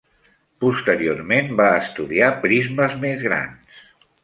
Posteriorment va estudiar prismes més grans.